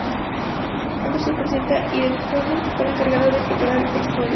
Henderson presenta" y "The Departed", fue la encargada de preparar el vestuario.